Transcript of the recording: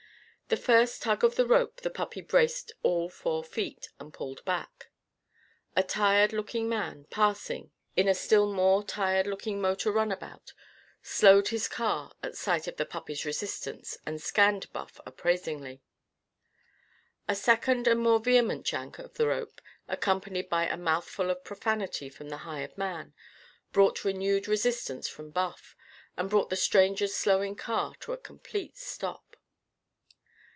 At first tug of the rope the puppy braced all four feet, and pulled back. A tired looking man, passing, in a still more tired looking motor runabout, slowed his car at sight of the puppy's resistance, and scanned Buff appraisingly. A second and more vehement yank of the rope, accompanied by a mouthful of profanity from the hired man, brought renewed resistance from Buff, and brought the stranger's slowing car to a complete stop.